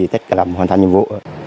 tất cả làm hoàn thành nhiệm vụ